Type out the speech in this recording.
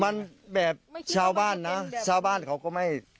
มันแบบชาวบ้านนะชาวบ้านเขาก็ไม่